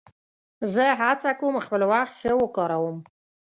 زه هڅه کوم خپل وخت ښه وکاروم.